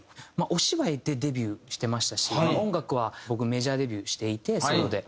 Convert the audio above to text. お芝居でデビューしてましたし音楽は僕メジャーデビューしていてソロで。